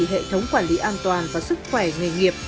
hệ thống quản lý an toàn và sức khỏe nghề nghiệp